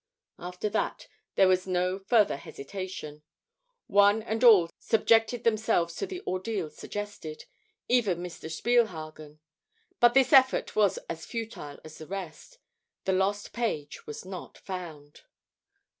After that there was no further hesitation. One and all subjected themselves to the ordeal suggested; even Mr. Spielhagen. But this effort was as futile as the rest. The lost page was not found.